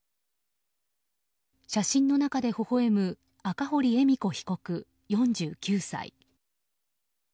写真の中で微笑む赤堀恵美子被告、４９歳。